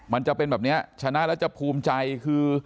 มันจะเป็นแบบนี้ชนะแล้วจะภูมิใจคือ